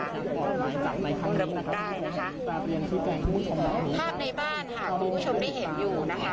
ระบุได้นะคะภาพในบ้านหากคุณผู้ชมได้เห็นอยู่นะคะ